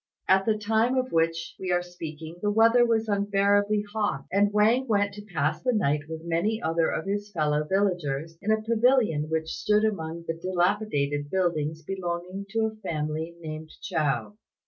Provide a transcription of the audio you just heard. At the time of which we are speaking the weather was unbearably hot; and Wang went to pass the night with many other of his fellow villagers in a pavilion which stood among some dilapidated buildings belonging to a family named Chou.